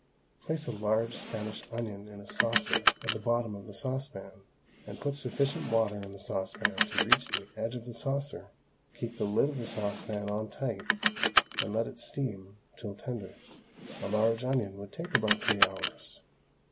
Place a large Spanish onion in a saucer at the bottom of the saucepan, and put sufficient water in the saucepan to reach the edge of the saucer; keep the lid of the saucepan on tight, and let it steam till tender. A large onion would take about three hours.